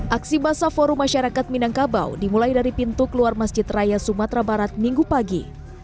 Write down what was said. aksi basah forum masyarakat minangkabau dimulai dari pintu keluar masjid raya sumatera barat minggu pagi